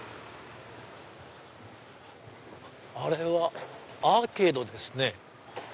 あれはアーケードですね。